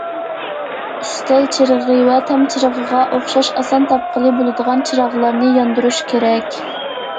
ئۈستەل چىرىغى ۋە تام چىرىغىغا ئوخشاش ئاسان تاپقىلى بولىدىغان چىراغلارنى ياندۇرۇش كېرەك.